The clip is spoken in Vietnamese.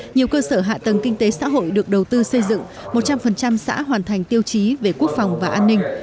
nhiều cơ sở hạ tầng kinh tế xã hội được đầu tư xây dựng một trăm linh xã hoàn thành tiêu chí về quốc phòng và an ninh